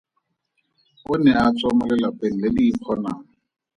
O ne a tswa mo lelapeng le le ikgonang.